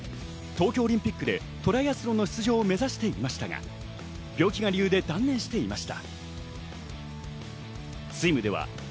東京オリンピックでトライアスロンの出場を目指していましたが、病気が理由で断念していました。